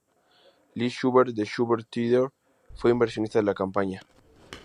Lee Shubert de Shubert Theater fue inversionista de la compañía.